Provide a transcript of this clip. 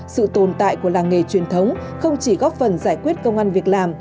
sự tồn tại của làng nghề truyền thống không chỉ góp phần giải quyết công an việc làm